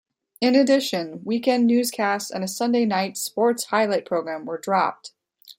In addition, weekend newscasts and a Sunday night sports highlight program were dropped.